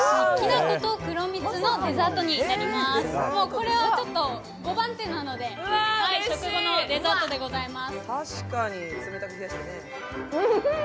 これはちょっと５番手なので、食後のデザートでございます。